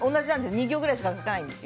２行くらいしか書かないんです。